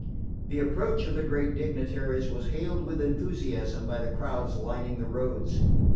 The approach of the great dignitaries was hailed with enthusiasm by the crowds lining the roads.